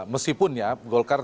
meskipun ya golkar